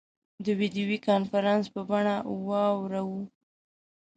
د ویډیو کنفرانس په بڼه واوراوه.